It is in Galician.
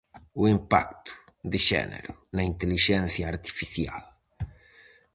O Impacto de xénero na Intelixencia Artificial.